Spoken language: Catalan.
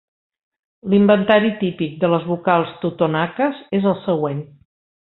L'inventari "típic" de les vocals totonaques és el següent.